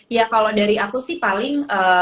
ya kalau dari aku sih paling